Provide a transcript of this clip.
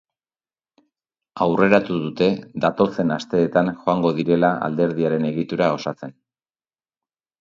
Aurreratu dute datozen asteetan joango direla alderdiaren egitura osatzen.